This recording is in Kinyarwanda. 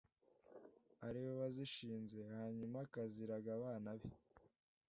ariwe wazishinze hanyuma akaziraga abana be